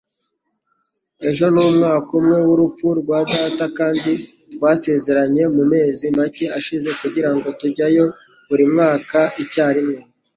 Ejo numwaka umwe wurupfu rwa data, kandi twasezeranye mumezi make ashize kugirango tujyayo burimwaka icyarimwe.